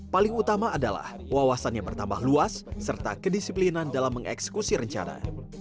paling utama adalah wawasannya bertambah luas serta kedisiplinan dalam mengeksekusi rencana